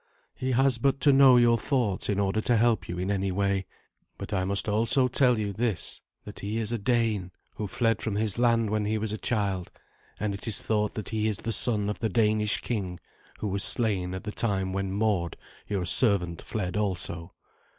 He has but to know your thoughts in order to help you in any way. But I must also tell you this, that he is a Dane, who fled from his land when he was a child; and it is thought that he is the son of the Danish king, who was slain at the time when Mord, your servant, fled also.